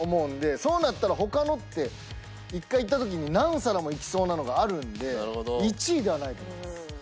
そうなったら他のって１回いった時に何皿もいきそうなのがあるので１位ではないと思います。